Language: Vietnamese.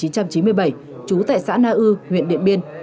trú tại xã na ư huyện điện biên